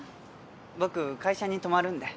僕会社に泊まるんで。